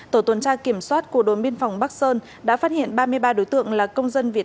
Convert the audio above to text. tổ tuần tra kiểm soát của đồn biên phòng bắc sơn đã phát hiện ba mươi ba đối tượng là công dân việt